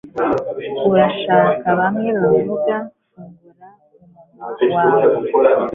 Urashaka bamwe vuga Fungura umunwa wawe